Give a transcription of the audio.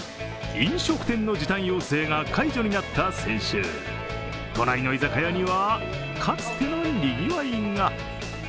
飲食店の時短要請が解除になった先週、都内の居酒屋にはかつてのにぎわいが。